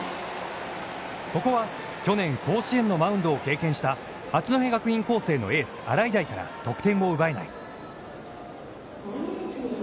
ここは、去年甲子園のマウンドを経験した八戸学院光星のエース洗平から得点を奪えない。